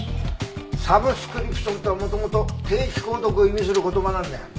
サブスクリプションとは元々定期購読を意味する言葉なんだよ。